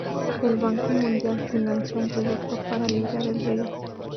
El Banco Mundial financió un proyecto para limpiar el río.